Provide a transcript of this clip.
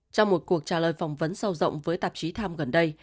trong một cuộc trả lời phỏng vấn sâu rộng với tạp chí times gần đây